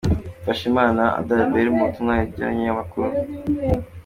Mfashimana Adalbert mu butumwa yageneye abanyamakuru.